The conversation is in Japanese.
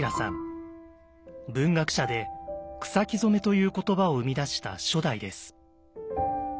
文学者で「草木染」という言葉を生み出した初代です。